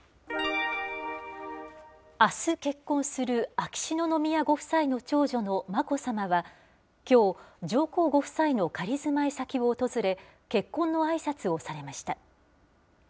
あす結婚する秋篠宮ご夫妻の長女の眞子さまは、きょう、上皇ご夫妻の仮住まい先を訪れ、結婚のあいさつをされました。